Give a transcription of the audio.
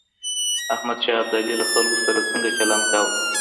احمد شاه ابدالي له خلګو سره څنګه چلند کاوه؟